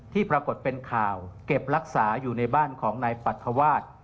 ที่ปรากฏเป็นข่าวเก็บรักษาอยู่ในบ้านของนายปรัฐวาส